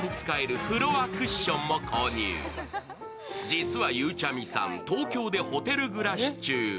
実はゆうちゃみさん、東京でホテル暮らし中。